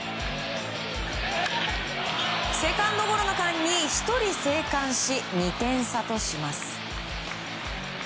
セカンドゴロの間に１人生還し２点差とします。